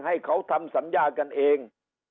ให้เขาทำสัญญากันเอง